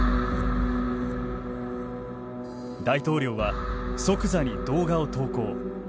大統領は即座に動画を投稿。